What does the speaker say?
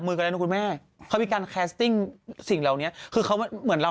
มือกันนะคุณแม่เขามีการสิ่งแล้วนี้คือเขาเหมือนเรา